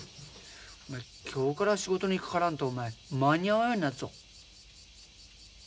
お前今日から仕事にかからんとお前間に合わんようになるぞ。